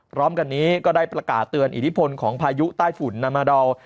พร้อมกันนี้ก็ได้ประกาศเตือนอิทธิพลของพายุใต้ฝุ่นนามาดอล